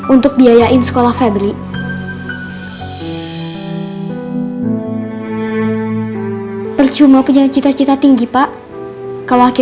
untuk biayain sekolah febri